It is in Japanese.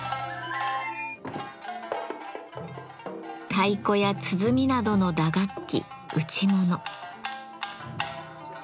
太鼓や鼓などの打楽器「打ちもの」。